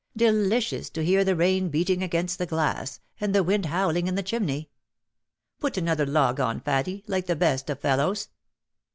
Delicious to hear the rain beating against the glass, and the wind howling in the chimney. Put another log on, Faddie, like the best of fellows.''